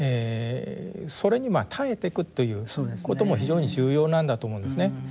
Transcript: それに耐えていくっていうことも非常に重要なんだと思うんですね。